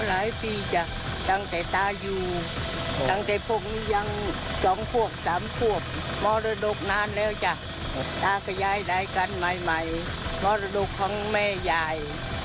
หลายปีจ้ะตั้งแต่ตาอยู่ตั้งแต่พวกนี้ยังสองพวกสามควบมรดกนานแล้วจ้ะตาก็ย้ายได้กันใหม่มรดกของแม่ยาย